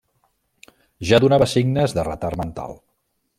Ja donava signes de retard mental.